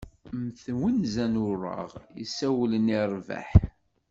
Mm twenza n ureɣ, yessawalen i rbeḥ.